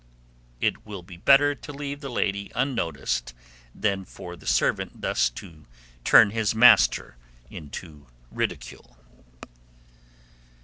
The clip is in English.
It will be better to leave the lady unnoticed than for the servant thus to turn his master into ridicule.